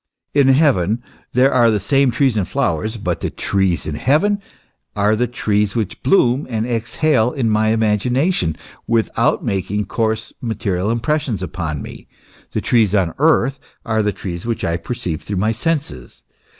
in heaven there are the same trees and flowers, but the trees in heaven are the trees which bloom and exhale in my imagination, without making coarse material impressions upon me ; the trees on earth are the trees which I perceive through my senses.